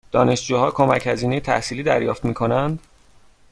دانشجوها کمک هزینه تحصیلی دریافت می کنند؟